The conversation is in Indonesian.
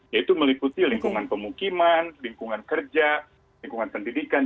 yaitu meliputi lingkungan pemukiman lingkungan kerja lingkungan pendidikan